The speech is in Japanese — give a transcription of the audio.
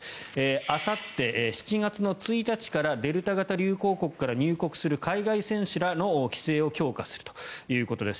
あさって、７月１日からデルタ型流行国から入国する海外選手らの規制を強化するということです。